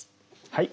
はい。